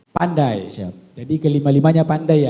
pandai jadi kelima limanya pandai ya